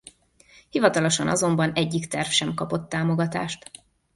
Hivatalosan azonban egyik terv sem kapott támogatást.